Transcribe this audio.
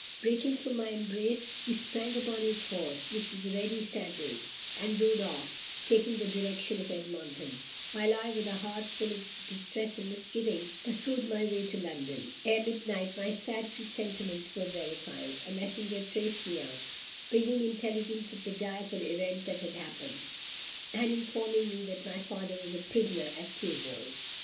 Breaking from my embrace, he sprang upon his horse, which was ready saddled, and rode off, taking the direction of Edmonton; while I, with a heart full of distress and misgiving, pursued my way to London. Ere midnight, my sad presentiments were verified. A messenger traced me out, bringing intelligence of the direful event that had happened, and informing me that my father was a prisoner at Theobalds.